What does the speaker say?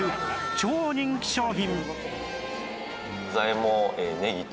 超人気商品